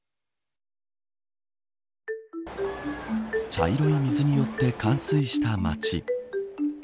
茶色い水によって冠水した街。